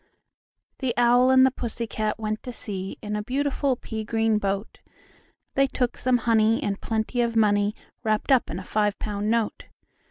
The Owl and the Pussy Cat went to sea In a beautiful pea green boat: They took some honey, and plenty of money Wrapped up in a five pound note.